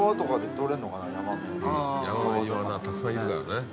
たくさんいるからね。